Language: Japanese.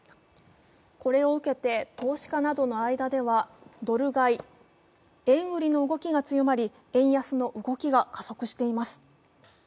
これを受けて投資家などの間ではドル買い円売りの動きが強まり円安の動きが加速しています。